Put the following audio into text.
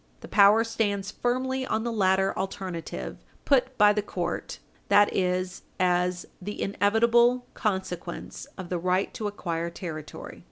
The power stands firmly on the latter alternative put by the court that is, as "the inevitable consequence of the right to acquire territory."